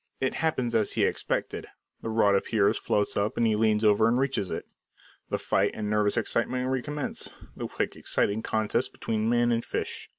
It happens as he expected: the rod appears, floats up; he leans over and reaches it. The fight and nervous excitement recommence the quick, exciting contest between man and fish.